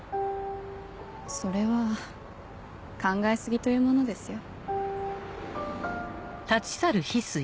それは考え過ぎというものですよ。